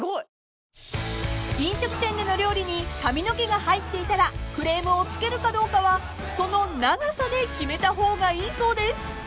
［飲食店での料理に髪の毛が入っていたらクレームをつけるかどうかはその長さで決めた方がいいそうです］